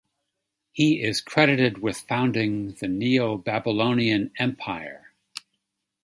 He is credited with founding the Neo-Babylonian Empire.